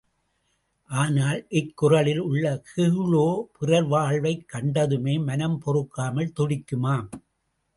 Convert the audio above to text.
ஆனால் இக் குறளில் உள்ள கீழோ, பிறர் வாழ்வதைக் கண்டதுமே மனம் பொறுக்காமல் துடிக்குமாம்.